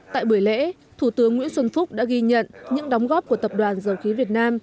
tại buổi lễ thủ tướng nguyễn xuân phúc đã ghi nhận những đóng góp của tập đoàn dầu khí việt nam